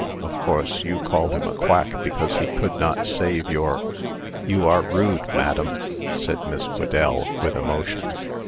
of course you call him a quack, because he could not save your " "You are rude, madam," said Miss Whedell, with emotion.